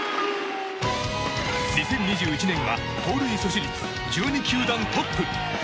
２０２１年は、盗塁阻止率１２球団トップ。